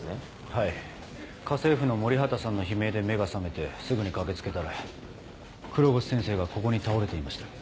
はい家政婦の森畑さんの悲鳴で目が覚めてすぐに駆け付けたら黒越先生がここに倒れていました。